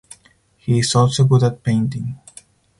He is also good at painting.